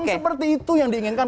seperti itu yang diinginkan